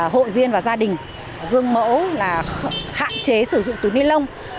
hội viên và gia đình gương mẫu là hạn chế sử dụng túi ni lông